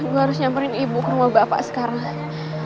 gue harus nyamperin ibu ke rumah bapak sekarang